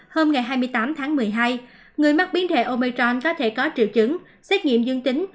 hôm ngày hai mươi tám tháng một mươi hai người mắc biến thể omitron có thể có triệu chứng xét nghiệm dương tính